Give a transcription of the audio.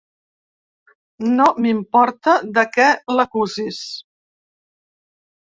No m'importa de què l'acusis!